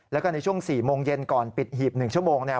แล้วก็ในช่วง๔โมงเย็นก่อนปิดหีบ๑ชั่วโมงเนี่ย